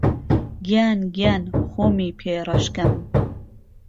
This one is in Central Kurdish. گیان گیان خۆمی پێ رهش کهم